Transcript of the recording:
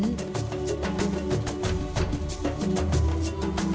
โดยมีการปลูกเพิ่ม